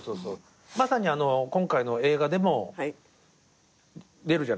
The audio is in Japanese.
まさに今回の映画でも出るじゃないですか。